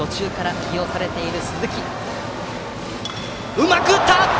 うまく打った！